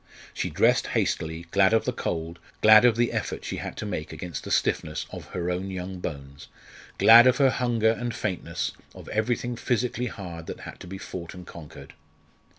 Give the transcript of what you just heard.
She dressed hastily, glad of the cold, glad of the effort she had to make against the stiffness of her own young bones glad of her hunger and faintness, of everything physically hard that had to be fought and conquered.